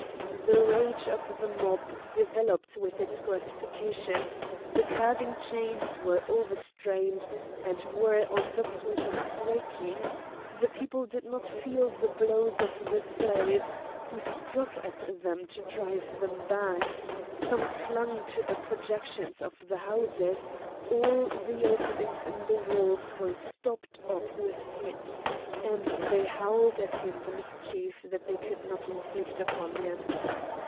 The rage of the mob developed with its gratification; the curving chains were over strained, and were on the point of breaking; the people did not feel the blows of the slaves who struck at them to drive them back; some clung to the projections of the houses; all the openings in the walls were stopped up with heads; and they howled at him the mischief that they could not inflict upon him.